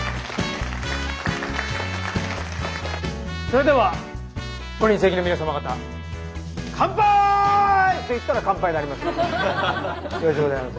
それではご臨席の皆様方乾杯！って言ったら乾杯になりますので。